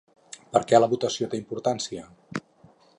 Per què la votació té importància?